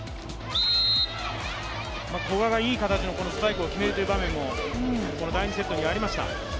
古賀がいい形のスパイクを決めるという場面も第２セットにはありました。